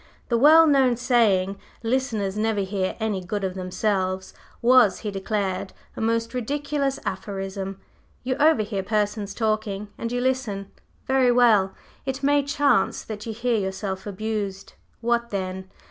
The well known saying "listeners never hear any good of themselves" was, he declared, a most ridiculous aphorism. "You overhear persons talking and you listen. Very well. It may chance that you hear yourself abused. What then?